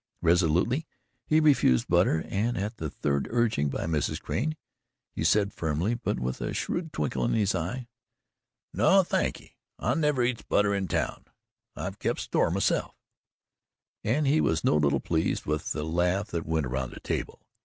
Resolutely he refused butter, and at the third urging by Mrs. Crane he said firmly, but with a shrewd twinkle in his eye: "No, thank ye. I never eats butter in town. I've kept store myself," and he was no little pleased with the laugh that went around the table.